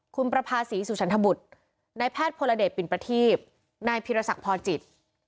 คุณประภาษีสุฉันทบุตรนายแพทย์พลเดชปิ่นประทีพนายพิรศักดิ์พอจิต